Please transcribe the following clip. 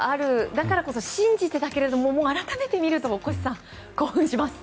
だからこそ信じてたけれども改めて見ると大越さん、興奮します。